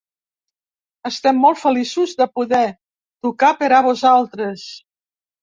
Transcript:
Estem molt feliços de poder tocar per a vosaltres.